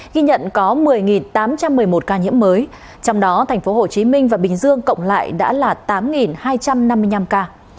ghi nhận có một mươi tám trăm một mươi một ca nhiễm mới trong đó thành phố hồ chí minh và bình dương cộng lại đã là tám hai trăm năm mươi năm ca